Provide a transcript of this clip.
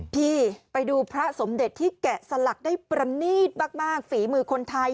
พี่ไปดูพระสมเด็จที่แกะสลักได้ประนีตมากฝีมือคนไทย